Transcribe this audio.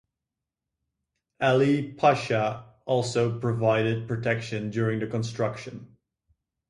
Ali Pasha also provided protection during the construction.